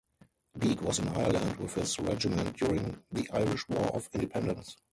Beak was in Ireland with his regiment during the Irish War of Independence.